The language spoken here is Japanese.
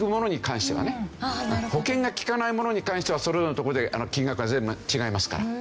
保険が利かないものに関してはそれぞれの所で金額が違いますから。